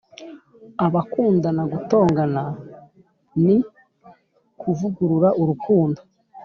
abakundana gutongana ni kuvugurura urukundo.